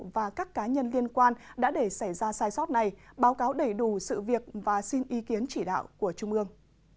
và các cá nhân liên quan đã để xảy ra sai sót này báo cáo đầy đủ sự việc và xin ý kiến chỉ đạo của trung ương